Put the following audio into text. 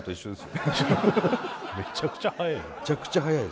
めちゃくちゃ速いな。